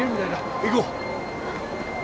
行こう。